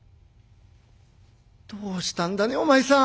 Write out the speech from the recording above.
「どうしたんだねお前さん。